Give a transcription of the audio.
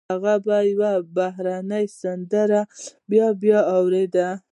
هغه به يوه بهرنۍ سندره بيا بيا اورېده.